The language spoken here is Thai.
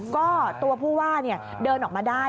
ก็ตัวผู้ว่าเดินออกมาได้